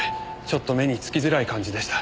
ちょっと目につきづらい感じでした。